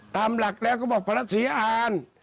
ตามหลักแล้วก็บอกพระราชศรีอ่าน